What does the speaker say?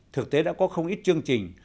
thực tế đã có không ít chương trình